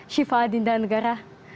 siva adinda negara